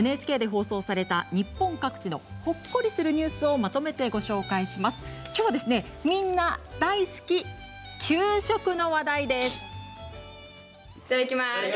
ＮＨＫで放送された日本各地のほっこりするニュースをまとめてご紹介します。